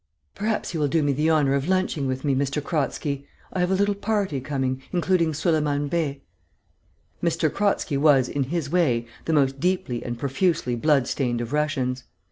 "Perhaps you will do me the honour of lunching with me, M. Kratzky. I have a little party coming, including Suliman Bey...." M. Kratzky was, in his way, the most deeply and profusely blood stained of Russians.